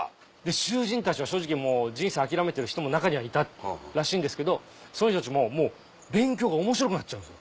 囚人たちは正直人生諦めてる人も中にはいたらしいんですけどその人たちももう勉強が面白くなっちゃうんです